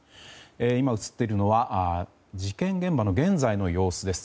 今、映っているのは事件現場の現在の様子です。